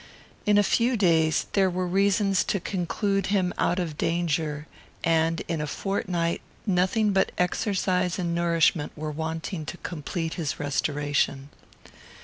In a few days, there were reasons to conclude him out of danger; and, in a fortnight, nothing but exercise and nourishment were wanting to complete his restoration.